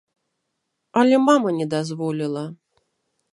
Але мама не дазволіла.